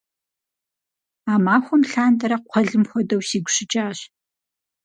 А махуэм лъандэрэ кхъуэлым хуэдэу сигу щыкӏащ.